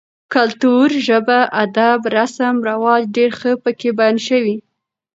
کلتور, ژبه ، اداب، رسم رواج ډېر ښه پکې بيان شوي